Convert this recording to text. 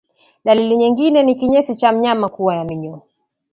Dalili nyingine ni kinyesi cha mnyama kuwa na minyoo